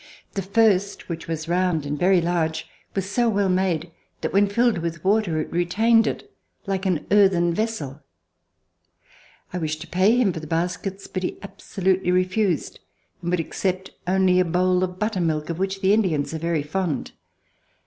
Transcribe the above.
The first, which was round and very large, was so well made that, when filled with water, it retained it like an earthen vessel. I wished to pay him for the baskets, but he absolutely refused and would accept only a bowl of buttermilk of which the Indians are very fond.